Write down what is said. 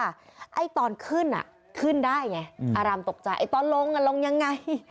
ไอ้ตอนขึ้นขึ้นได้ไงอารามตกใจไอ้ตอนลงลงยังไง